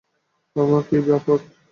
ওমা, কী আপদ!